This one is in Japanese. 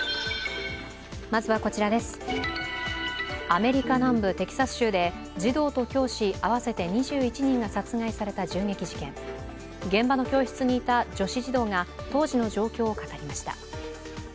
アメリカ南部テキサス州で児童と教師、合わせて２１人が殺害された銃撃事件現場の教室にいた女子児童が当時の状況を語りました。